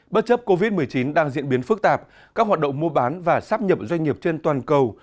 bất chấp covid một mươi chín đang diễn biến phức tạp các hoạt động mua bán và sắp nhập doanh nghiệp trên toàn cầu